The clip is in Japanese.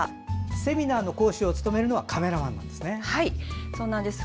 セミナーの講師を務めるのはカメラマンなんですね。